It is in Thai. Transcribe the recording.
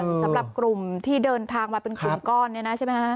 สำหรับกลุ่มที่เดินทางมาเป็นกลุ่มก้อนเนี่ยนะใช่ไหมฮะ